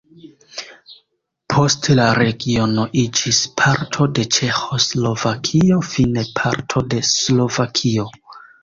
Poste la regiono iĝis parto de Ĉeĥoslovakio, fine parto de Slovakio.